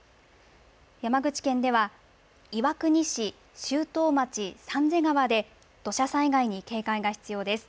山口県では、岩国市周東町三瀬川で土砂災害に警戒が必要です。